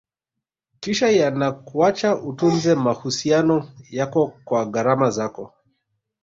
kisha yanakuacha utunze mahusiano yako kwa gharama zako